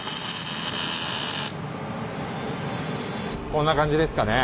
こんな感じですかね。